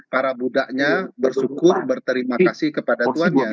para budaknya bersyukur berterima kasih kepada tuhannya